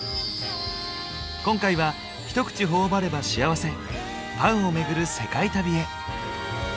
今回は一口頬張れば幸せパンを巡る世界旅へ。